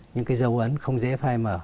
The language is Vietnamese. những cái dấu ấn không dễ phải mở